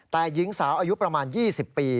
แต่หญิงสาวอายุประมาณ๒๐ปี